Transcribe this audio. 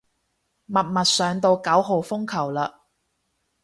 默默上到九號風球嘞